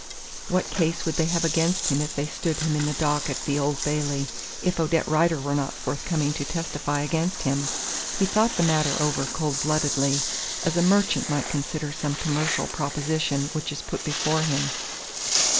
What case would they have against him if they stood him in the dock at the Old Bailey, if Odette Rider were not forthcoming to testify against him? He thought the matter over cold bloodedly, as a merchant might consider some commercial proposition which is put before him.